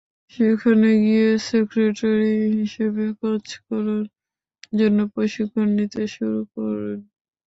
সেখানে গিয়ে সেক্রেটারি হিসেবে কাজ করার জন্য প্রশিক্ষণ নিতে শুরু করেন।